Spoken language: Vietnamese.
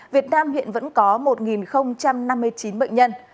việt nam hiện vẫn có một năm mươi chín bệnh nhân